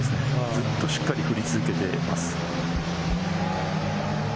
ずっと、しっかり振り続けています。